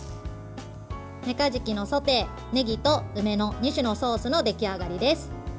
めかじきのソテーねぎと梅の２種のソースの出来上がりです。